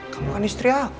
kamu kan istri aku